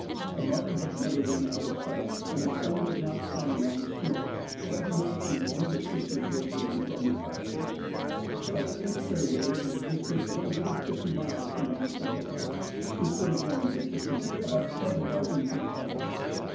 The mountain had never been out of sight, and the sun was not shining on the snows, so I do not think any assistance was gained from refraction. As Cape Fairweather is distant 150 miles from Mount St. Elias, this would again make the peak about 20,000 feet high.